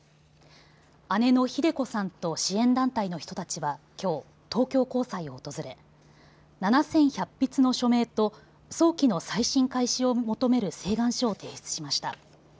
姉のひで子さんと支援団体の人たちはきょう、東京高裁を訪れ７１００筆の署名と早期の再審開始を求める請願書を提出しました。